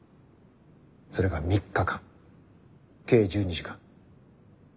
それが３日間計１２時間。